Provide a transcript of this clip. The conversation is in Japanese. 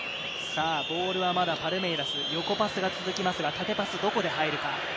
ボールはまだパルメイラス、横パスが続きますが縦パス、どこで入るか？